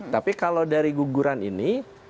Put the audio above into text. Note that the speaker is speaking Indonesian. tapi kalau dari guguran ini